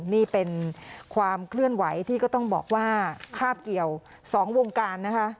นี่เป็นความเคลื่อนไหวที่ก็ต้องบอกว่าคาบเกี่ยว๒วงการนะคะ